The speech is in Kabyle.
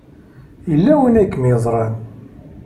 Yella win ay kem-yeẓran.